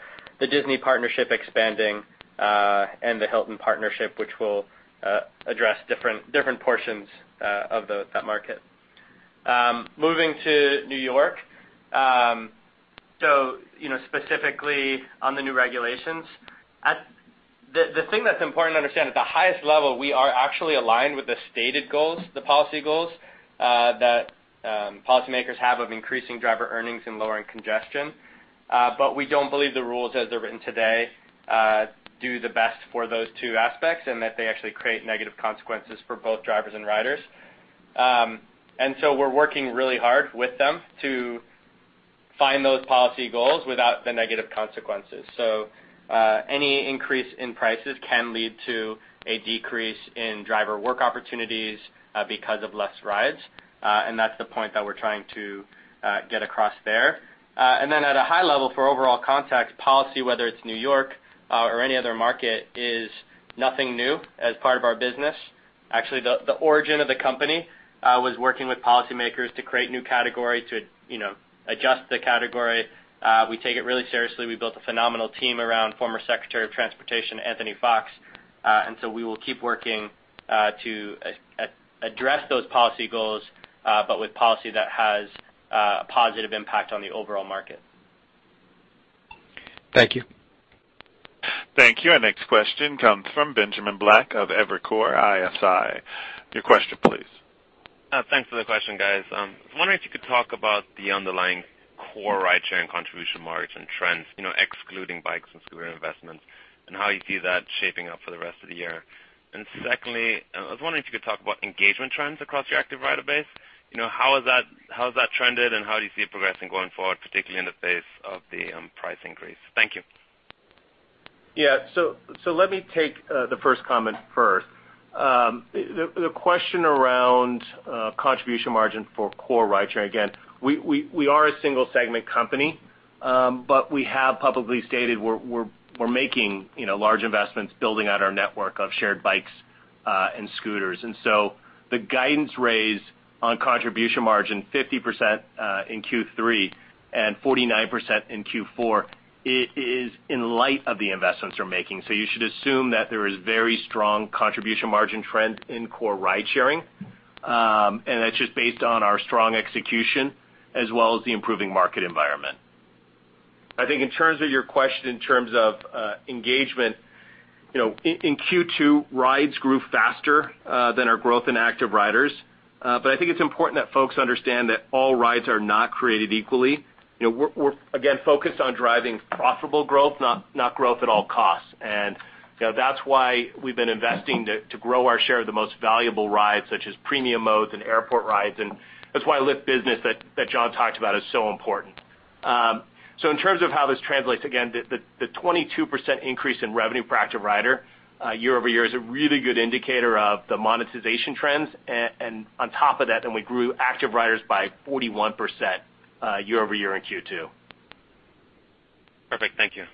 Disney partnership expanding, and the Hilton partnership, which will address different portions of that market. Moving to New York. Specifically on the new regulations. The thing that's important to understand, at the highest level, we are actually aligned with the stated goals, the policy goals, that policymakers have of increasing driver earnings and lowering congestion. We don't believe the rules as they're written today do the best for those two aspects and that they actually create negative consequences for both drivers and riders. We're working really hard with them to find those policy goals without the negative consequences. Any increase in prices can lead to a decrease in driver work opportunities because of less rides, and that's the point that we're trying to get across there. Then at a high level for overall context, policy, whether it's New York or any other market, is nothing new as part of our business. Actually, the origin of the company was working with policymakers to create new category, to adjust the category. We take it really seriously. We built a phenomenal team around former Secretary of Transportation, Anthony Foxx. We will keep working to address those policy goals, but with policy that has a positive impact on the overall market. Thank you. Thank you. Our next question comes from Benjamin Black of Evercore ISI. Your question, please. Thanks for the question, guys. I was wondering if you could talk about the underlying core ride-sharing contribution margin trends, excluding bikes and scooter investments, and how you see that shaping up for the rest of the year. Secondly, I was wondering if you could talk about engagement trends across your active rider base. How has that trended and how do you see it progressing going forward, particularly in the face of the price increase? Thank you. Yeah. Let me take the first comment first. The question around contribution margin for core ride-sharing. Again, we are a single-segment company, but we have publicly stated we're making large investments building out our network of shared bikes and scooters. The guidance raise on contribution margin, 50% in Q3 and 49% in Q4, it is in light of the investments we're making. You should assume that there is very strong contribution margin trend in core ride-sharing. That's just based on our strong execution as well as the improving market environment. I think in terms of your question in terms of engagement, in Q2, rides grew faster than our growth in active riders. I think it's important that folks understand that all rides are not created equally. We're again focused on driving profitable growth, not growth at all costs. That's why we've been investing to grow our share of the most valuable rides, such as premium modes and airport rides. That's why Lyft Business, that John talked about, is so important. In terms of how this translates, again, the 22% increase in revenue per active rider year-over-year is a really good indicator of the monetization trends. On top of that, we grew active riders by 41% year-over-year in Q2. Perfect. Thank you.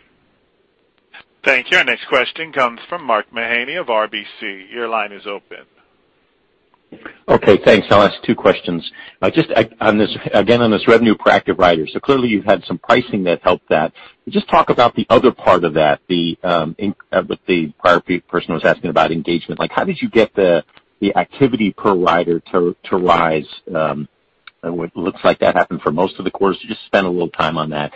Thank you. Our next question comes from Mark Mahaney of RBC. Your line is open. Okay, thanks. I'll ask two questions. Just again, on this revenue per active rider. Clearly you've had some pricing that helped that. Just talk about the other part of that, what the prior person was asking about engagement. How did you get the activity per rider to rise? It looks like that happened for most of the quarters. Just spend a little time on that.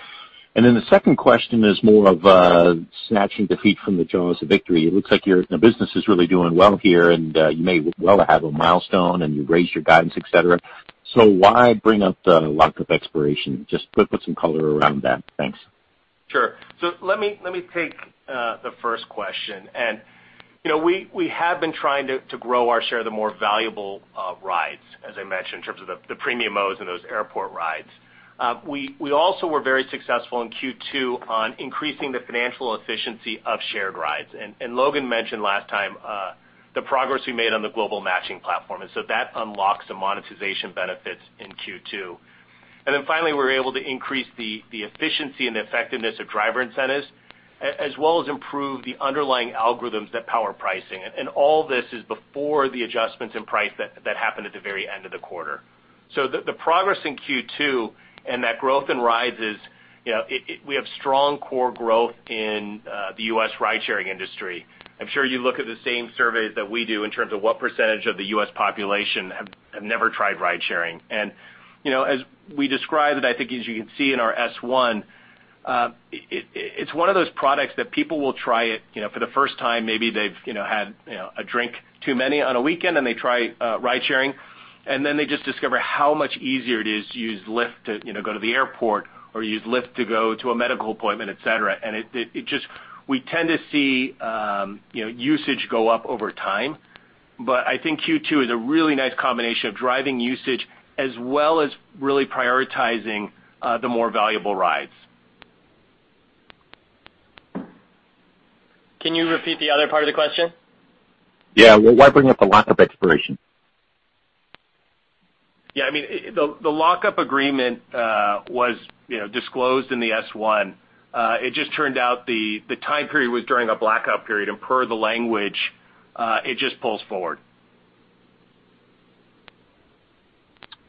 The second question is more of snatching defeat from the jaws of victory. It looks like your business is really doing well here, and you may well have a milestone, and you raised your guidance, et cetera. Why bring up the lock-up expiration? Just put some color around that. Thanks. Sure. Let me take the first question. We have been trying to grow our share of the more valuable rides, as I mentioned, in terms of the premium modes and those airport rides. We also were very successful in Q2 on increasing the financial efficiency of shared rides. Logan mentioned last time, the progress we made on the global matching platform, that unlocks the monetization benefits in Q2. Finally, we were able to increase the efficiency and the effectiveness of driver incentives, as well as improve the underlying algorithms that power pricing. All this is before the adjustments in price that happened at the very end of the quarter. The progress in Q2 and that growth in rides, we have strong core growth in the U.S. ride-sharing industry. I'm sure you look at the same surveys that we do in terms of what percentage of the U.S. population have never tried ride sharing. As we described it, I think as you can see in our S1, it's one of those products that people will try it for the first time. Maybe they've had a drink too many on a weekend and they try ride sharing, then they just discover how much easier it is to use Lyft to go to the airport or use Lyft to go to a medical appointment, et cetera. We tend to see usage go up over time. I think Q2 is a really nice combination of driving usage as well as really prioritizing the more valuable rides. Can you repeat the other part of the question? Yeah. Why bring up the lock-up expiration? Yeah. The lock-up agreement was disclosed in the S1. It just turned out the time period was during a blackout period, and per the language, it just pulls forward.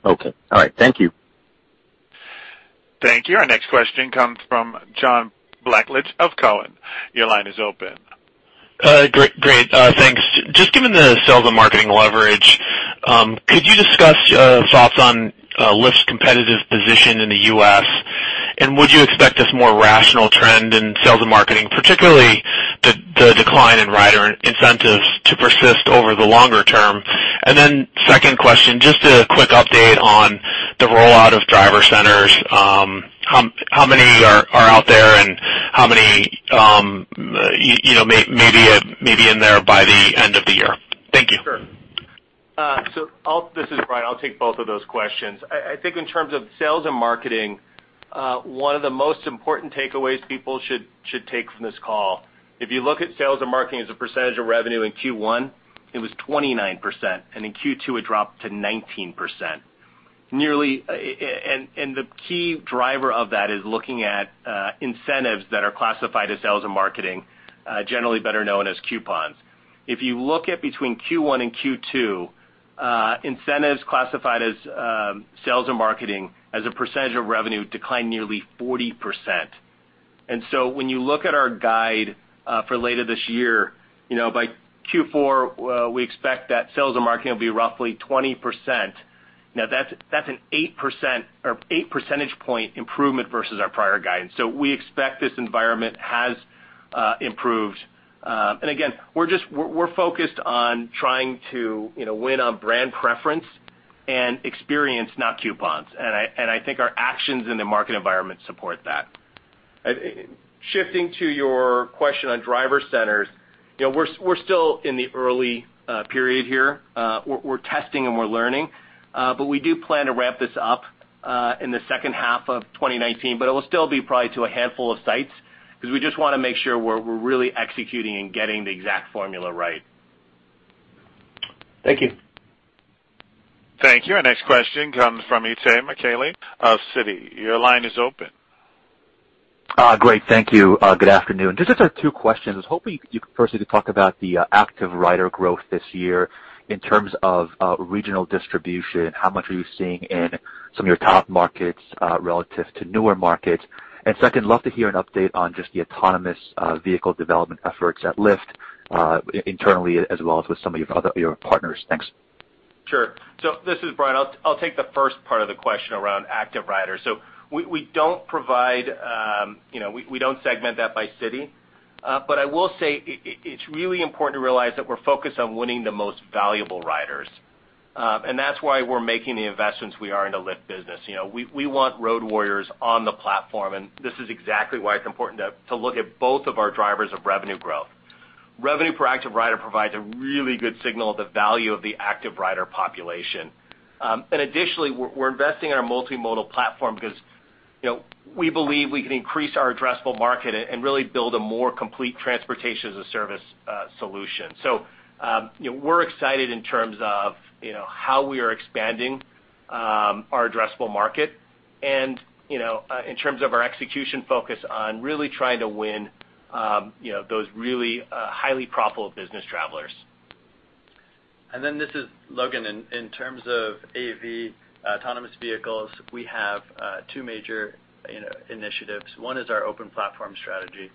Okay. All right. Thank you. Thank you. Our next question comes from John Blackledge of Cowen. Your line is open. Great. Thanks. Just given the sales and marketing leverage, could you discuss your thoughts on Lyft's competitive position in the U.S., and would you expect this more rational trend in sales and marketing, particularly the decline in rider incentives to persist over the longer term? Second question, just a quick update on the rollout of driver centers. How many are out there and how many may be in there by the end of the year? Thank you. Sure. This is Brian. I'll take both of those questions. I think in terms of sales and marketing, one of the most important takeaways people should take from this call, if you look at sales and marketing as a percentage of revenue in Q1, it was 29%, and in Q2, it dropped to 19%. The key driver of that is looking at incentives that are classified as sales and marketing, generally better known as coupons. If you look at between Q1 and Q2, incentives classified as sales and marketing as a percentage of revenue declined nearly 40%. When you look at our guide for later this year, by Q4, we expect that sales and marketing will be roughly 20%. That's an 8 percentage point improvement versus our prior guidance. We expect this environment has improved. Again, we're focused on trying to win on brand preference and experience, not coupons. I think our actions in the market environment support that. Shifting to your question on driver centers, we're still in the early period here. We're testing, and we're learning. We do plan to ramp this up in the second half of 2019, but it will still be probably to a handful of sites, because we just want to make sure we're really executing and getting the exact formula right. Thank you. Thank you. Our next question comes from Itay Michaeli of Citi. Your line is open. Great. Thank you. Good afternoon. Just have two questions. Was hoping you could firstly talk about the active rider growth this year in terms of regional distribution. How much are you seeing in some of your top markets relative to newer markets? Second, love to hear an update on just the autonomous vehicle development efforts at Lyft, internally, as well as with some of your partners. Thanks. This is Brian. I'll take the first part of the question around active riders. I will say, it's really important to realize that we're focused on winning the most valuable riders. That's why we're making the investments we are in the Lyft Business. We want road warriors on the platform, this is exactly why it's important to look at both of our drivers of revenue growth. Revenue per active rider provides a really good signal of the value of the active rider population. Additionally, we're investing in our multimodal platform because we believe we can increase our addressable market and really build a more complete transportation-as-a-service solution. We're excited in terms of how we are expanding our addressable market and, in terms of our execution focus on really trying to win those really highly profitable business travelers. This is Logan. In terms of AV, autonomous vehicles, we have two major initiatives. One is our open platform strategy,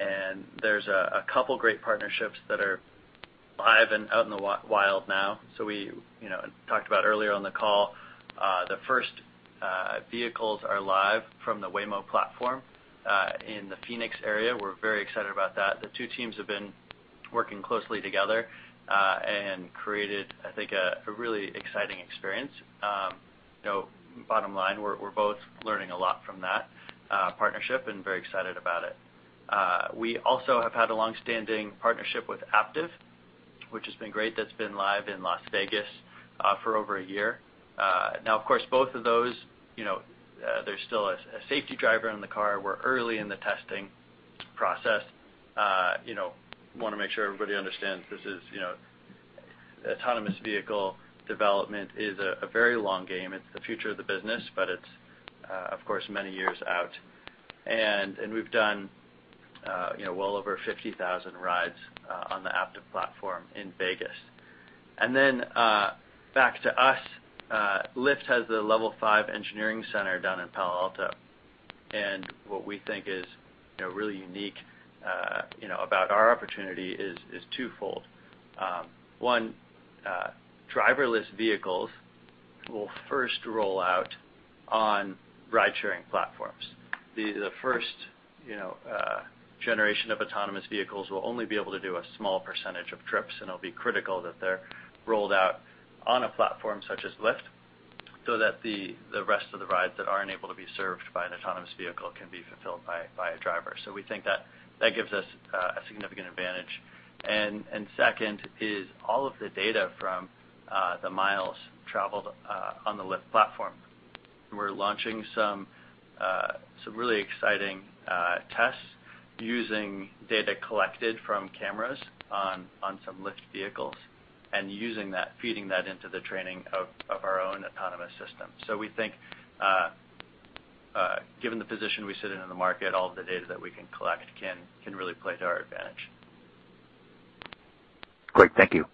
and there's a couple great partnerships that are live and out in the wild now. We talked about earlier on the call, the first vehicles are live from the Waymo platform in the Phoenix area. We're very excited about that. The two teams have been working closely together and created, I think, a really exciting experience. Bottom line, we're both learning a lot from that partnership and very excited about it. We also have had a long-standing partnership with Aptiv, which has been great. That's been live in Las Vegas for over a year. Of course, both of those, there's still a safety driver in the car. We're early in the testing process. Want to make sure everybody understands this is autonomous vehicle development is a very long game. It's the future of the business, it's, of course, many years out. We've done well over 50,000 rides on the Aptiv platform in Vegas. Back to us, Lyft has the Level 5 engineering center down in Palo Alto. What we think is really unique about our opportunity is twofold. One, driverless vehicles will first roll out on ride-sharing platforms. The first generation of autonomous vehicles will only be able to do a small percentage of trips, and it'll be critical that they're rolled out on a platform such as Lyft so that the rest of the rides that aren't able to be served by an autonomous vehicle can be fulfilled by a driver. We think that gives us a significant advantage. Second is all of the data from the miles traveled on the Lyft platform. We're launching some really exciting tests using data collected from cameras on some Lyft vehicles and using that, feeding that into the training of our own autonomous system. We think given the position we sit in in the market, all of the data that we can collect can really play to our advantage. Great. Thank you.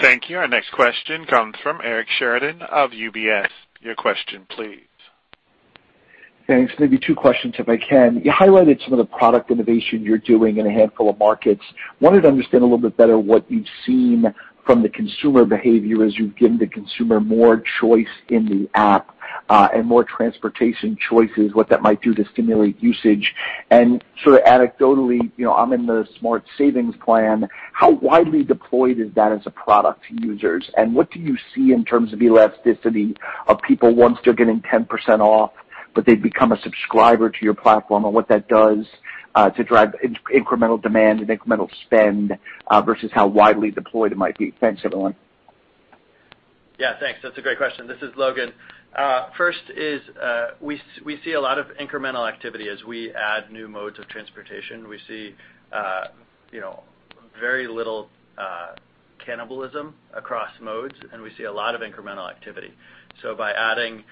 Thank you. Our next question comes from Eric Sheridan of UBS. Your question, please. Thanks. Maybe two questions if I can. You highlighted some of the product innovation you're doing in a handful of markets. Wanted to understand a little bit better what you've seen from the consumer behavior as you've given the consumer more choice in the app, and more transportation choices, what that might do to stimulate usage. Sort of anecdotally, I'm in the Smart Savings Plan. How widely deployed is that as a product to users? What do you see in terms of elasticity of people once they're getting 10% off, but they've become a subscriber to your platform and what that does to drive incremental demand and incremental spend versus how widely deployed it might be? Thanks, everyone. Yeah, thanks. That's a great question. This is Logan. First is, we see a lot of incremental activity as we add new modes of transportation. We see very little cannibalism across modes. We see a lot of incremental activity. By adding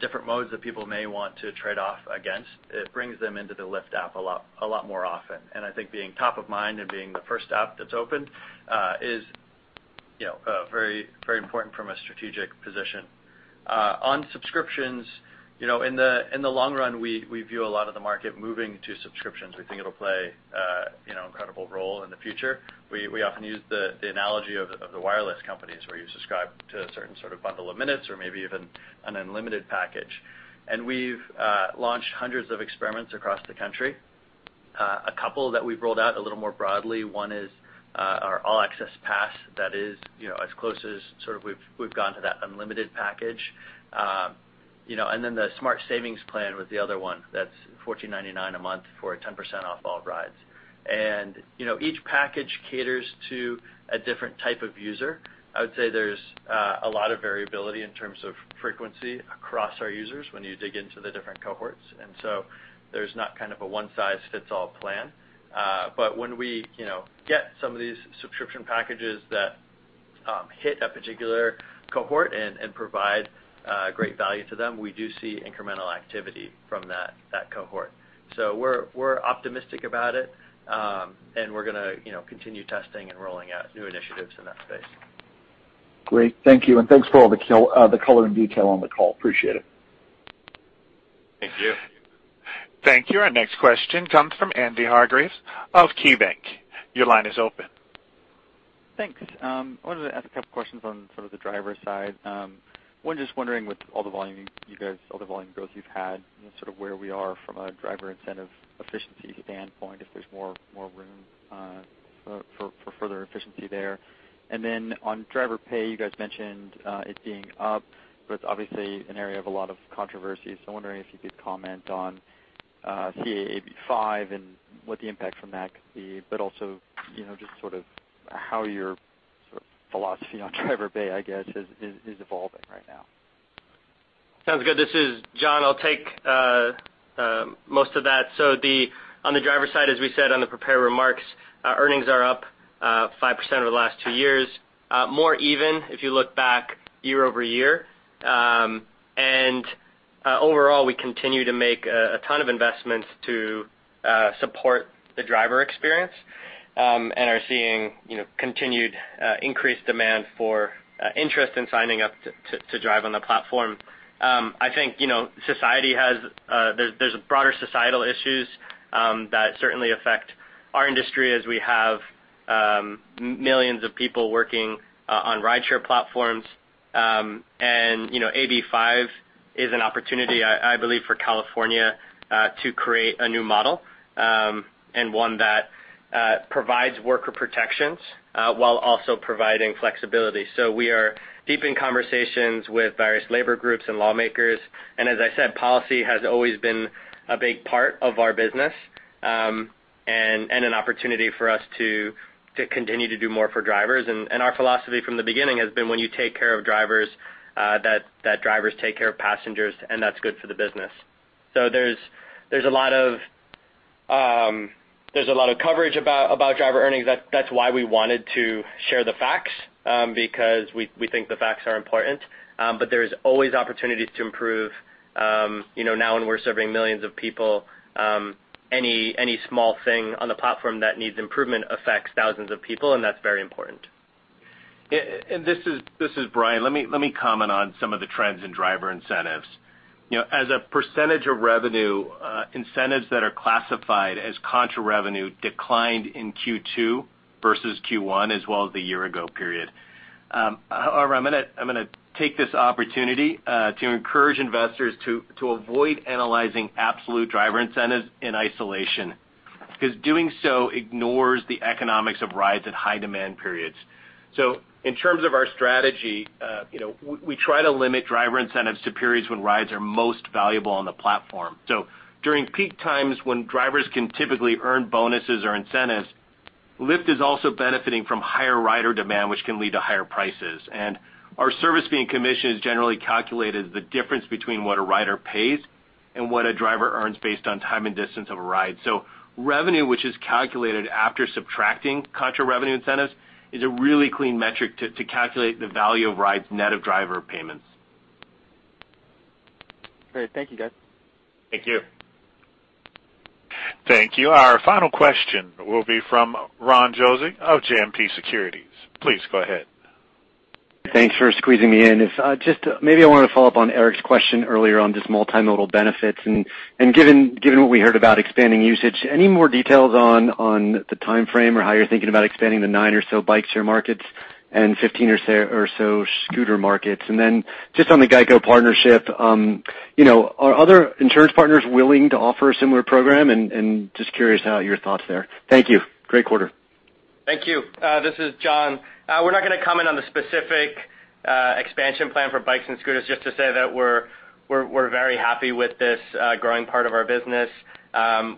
different modes that people may want to trade off against, it brings them into the Lyft app a lot more often. I think being top of mind and being the first app that's opened is very important from a strategic position. On subscriptions, in the long run, we view a lot of the market moving to subscriptions. We think it'll play an incredible role in the future. We often use the analogy of the wireless companies, where you subscribe to a certain sort of bundle of minutes or maybe even an unlimited package. We've launched hundreds of experiments across the country. A couple that we've rolled out a little more broadly, one is our All-Access Plan that is as close as sort of we've gone to that unlimited package. The Smart Savings Plan was the other one that's $14.99 a month for 10% off all rides. Each package caters to a different type of user. I would say there's a lot of variability in terms of frequency across our users when you dig into the different cohorts. There's not kind of a one-size-fits-all plan. When we get some of these subscription packages that hit a particular cohort and provide great value to them, we do see incremental activity from that cohort. We're optimistic about it. We're going to continue testing and rolling out new initiatives in that space. Great. Thank you. Thanks for all the color and detail on the call. Appreciate it. Thank you. Thank you. Our next question comes from Andy Hargreaves of KeyBank. Your line is open. Thanks. I wanted to ask a couple questions on sort of the driver side. One, just wondering, with all the volume growth you've had, and sort of where we are from a driver incentive efficiency standpoint, if there's more room for further efficiency there. On driver pay, you guys mentioned it being up, but it's obviously an area of a lot of controversy. I'm wondering if you could comment on CA AB5 and what the impact from that could be, but also just sort of how your sort of philosophy on driver pay, I guess, is evolving right now. Sounds good. This is John. I'll take most of that. On the driver side, as we said on the prepared remarks, earnings are up 5% over the last two years. More even, if you look back year-over-year. Overall, we continue to make a ton of investments to support the driver experience, and are seeing continued increased demand for interest in signing up to drive on the platform. I think there's broader societal issues that certainly affect our industry as we have millions of people working on rideshare platforms. AB5 is an opportunity, I believe, for California, to create a new model, and one that provides worker protections while also providing flexibility. We are deep in conversations with various labor groups and lawmakers. As I said, policy has always been a big part of our business, an opportunity for us to continue to do more for drivers. Our philosophy from the beginning has been when you take care of drivers, that drivers take care of passengers, and that's good for the business. There's a lot of coverage about driver earnings. That's why we wanted to share the facts, because we think the facts are important. There's always opportunities to improve. When we're serving millions of people, any small thing on the platform that needs improvement affects thousands of people, and that's very important. This is Brian. Let me comment on some of the trends in driver incentives. As a % of revenue, incentives that are classified as contra revenue declined in Q2 versus Q1 as well as the year-ago period. However, I'm going to take this opportunity to encourage investors to avoid analyzing absolute driver incentives in isolation, because doing so ignores the economics of rides in high-demand periods. In terms of our strategy, we try to limit driver incentives to periods when rides are most valuable on the platform. During peak times when drivers can typically earn bonuses or incentives, Lyft is also benefiting from higher rider demand, which can lead to higher prices. Our service fee and commission is generally calculated as the difference between what a rider pays and what a driver earns based on time and distance of a ride. Revenue, which is calculated after subtracting contra revenue incentives, is a really clean metric to calculate the value of rides net of driver payments. Great. Thank you, guys. Thank you. Thank you. Our final question will be from Ronald Josey of JMP Securities. Please go ahead. Thanks for squeezing me in. Maybe I want to follow up on Eric's question earlier on just multimodal benefits, given what we heard about expanding usage, any more details on the timeframe or how you're thinking about expanding the nine or so bikeshare markets and 15 or so scooter markets? Just on the Geico partnership, are other insurance partners willing to offer a similar program, and just curious your thoughts there? Thank you. Great quarter. Thank you. This is John. We're not going to comment on the specific expansion plan for bikes and scooters, just to say that we're very happy with this growing part of our business.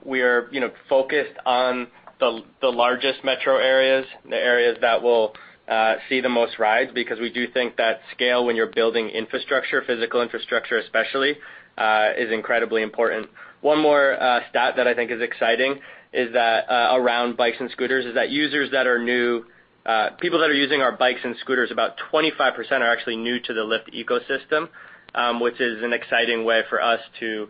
We are focused on the largest metro areas, the areas that will see the most rides, because we do think that scale when you're building infrastructure, physical infrastructure especially, is incredibly important. One more stat that I think is exciting around bikes and scooters is that users that are new, people that are using our bikes and scooters, about 25% are actually new to the Lyft ecosystem, which is an exciting way for us to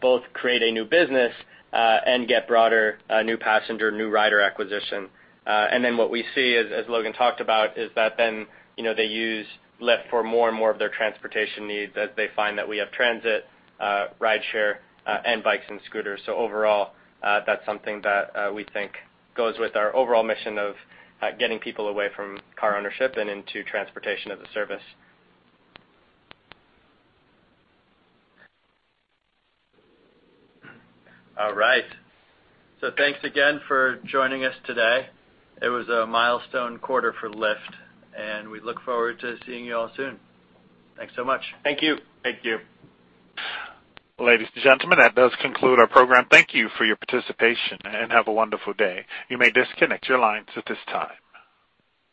both create a new business, and get broader new passenger, new rider acquisition. What we see, as Logan talked about, is that then they use Lyft for more and more of their transportation needs as they find that we have transit, rideshare, and bikes and scooters. Overall, that's something that we think goes with our overall mission of getting people away from car ownership and into transportation as a service. All right. Thanks again for joining us today. It was a milestone quarter for Lyft, and we look forward to seeing you all soon. Thanks so much. Thank you. Thank you. Ladies and gentlemen, that does conclude our program. Thank you for your participation, and have a wonderful day. You may disconnect your lines at this time.